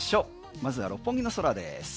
まずは六本木の空です。